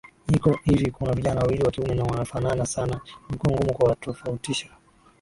Iko hivikuna vijana wawili wa kiume na wanafanana sana imekuwa ngumu kuwatofautisha